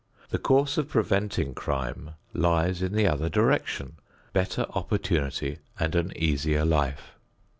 The course of preventing crime lies in the other direction, better opportunity and an easier life.